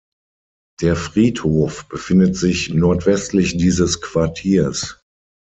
Der Friedhof befindet sich nordwestlich dieses Quartiers.